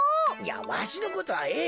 わしのことはええ。